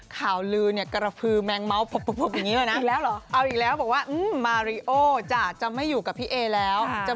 ข่าวลือเนี่ยกระพือแมงเมาส์พบอย่างนี้เลยนะ